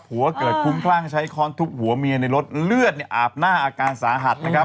หัวเกิดคุ้มคร่างใช้คร้อนทุบหัวเมียในรถเลือดอาบหน้าอาการสาหัตุ